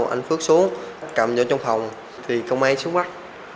anh phước xuống cầm ở trong phòng thì công an xuống bắt